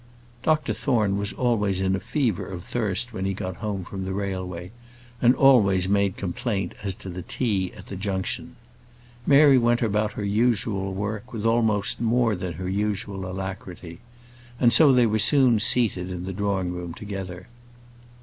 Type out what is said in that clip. Dr Thorne always was in a fever of thirst when he got home from the railway, and always made complaint as to the tea at the Junction. Mary went about her usual work with almost more than her usual alacrity, and so they were soon seated in the drawing room together.